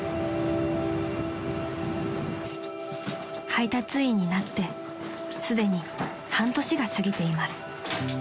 ［配達員になってすでに半年が過ぎています］